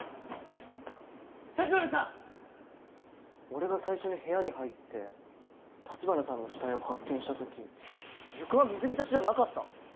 俺が最初に部屋に入って橘さんの死体を発見した時床は水浸しじゃなかった！